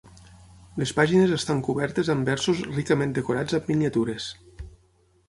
Les pàgines estan cobertes amb versos ricament decorats amb miniatures.